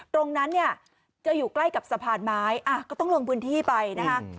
ตรงนั้นเนี่ยจะอยู่ใกล้กับสะพานไม้ก็ต้องลงพื้นที่ไปนะคะ